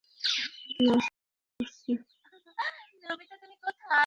কী অস্ত্র ব্যবহার করছে?